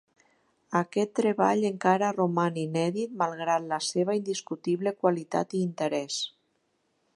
Aquest treball encara roman inèdit malgrat la seva indiscutible qualitat i interès.